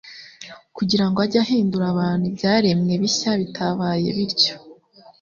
kugira ngo ajye ahindura abantu ibyaremwe bishya bitabaye bityo,